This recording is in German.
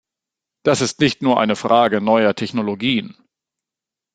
Das ist nicht nur eine Frage neuer Technologien.